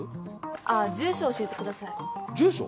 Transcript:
ああ住所教えてください住所？